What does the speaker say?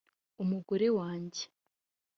umugore wanjye